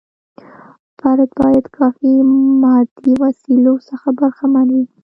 فرد باید کافي مادي وسیلو څخه برخمن وي.